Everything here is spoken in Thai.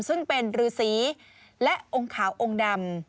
ซึ่งเป็นรือสีและองค์ขาวองค์ดำ